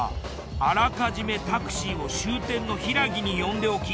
あらかじめタクシーを終点の平木に呼んでおき